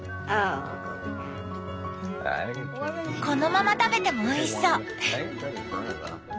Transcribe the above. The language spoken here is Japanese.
このまま食べてもおいしそう！